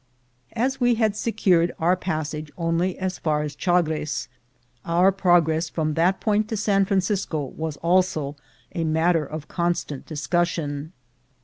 As we had secured our passage only as far as Chagres, our progress from that pomt to San Francisco was also a matter of constant discussion.